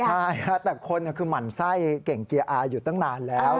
ใช่แต่คนคือหมั่นไส้เก่งเกียร์อาอยู่ตั้งนานแล้ว